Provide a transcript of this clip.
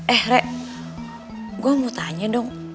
eh rek gue mau tanya dong